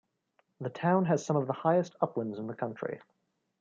The town has some of the highest uplands in the county.